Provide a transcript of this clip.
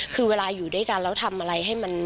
คือเวลาอยู่ด้วยกันแล้วทำอะไร